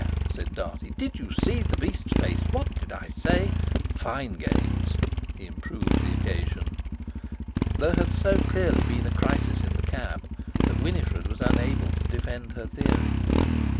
said Dartie, "did you see the beast's face? What did I say? Fine games!" He improved the occasion. There had so clearly been a crisis in the cab that Winifred was unable to defend her theory.